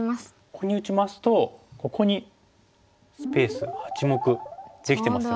ここに打ちますとここにスペース８目できてますよね。